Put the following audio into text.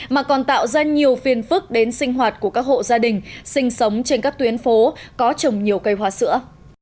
mà còn tạo ra nhiều phiền phức đến sinh hoạt của các hộ gia đình sinh sống trên các tuyến phố có trồng nhiều cây hoa sữa